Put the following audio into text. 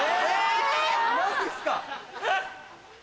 マジっすか？